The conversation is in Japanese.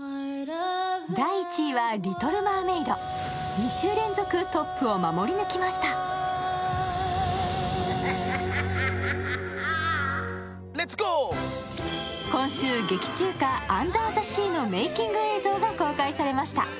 ２週連続トップを守り抜きました今週、劇中歌、「アンダー・ザ・シー」のメイキング映像が公開されました。